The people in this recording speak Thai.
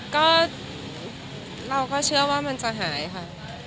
ก็เราก็เชื่อว่ามันจะหายค่ะ